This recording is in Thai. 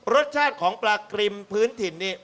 รสชาติของปลากริมพื้นถิ่นนี่